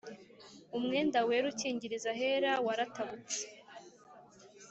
Umwenda wera ukungiriza ahera waratabutse